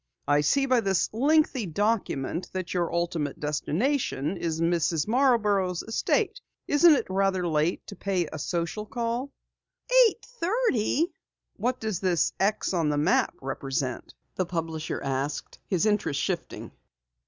"I see by this lengthy document that your ultimate destination is Mrs. Marborough's estate. Isn't it rather late to pay a social call?" "Eight thirty?" "What does this X on the map represent?" the publisher asked, his interest shifting.